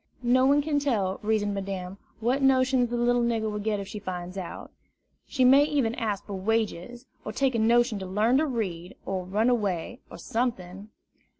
No one can tell, reasoned Madame, what notions the little nigger will get if she finds it out. She might even ask for wages, or take a notion to learn to read, or run away, or something.